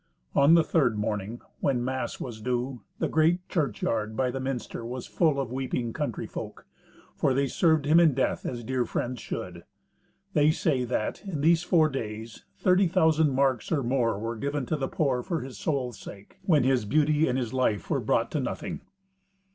On the third morning, when mass was due, the great churchyard by the minster was full of weeping countryfolk; for they served him in death as dear friends should. They say that, in these four days, thirty thousand marks, or more, were given to the poor for his soul's sake, when his beauty and his life were brought to nothing.